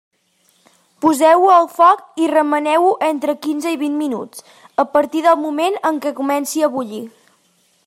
Poseu-ho al foc i remeneu-ho entre quinze i vint minuts, a partir del moment en què comenci a bullir.